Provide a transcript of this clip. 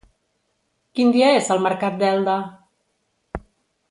Quin dia és el mercat d'Elda?